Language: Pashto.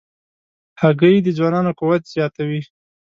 هګۍ د ځوانانو قوت زیاتوي.